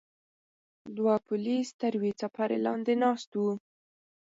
دوه پولیس تر یوې څپرې لاندې ناست وو.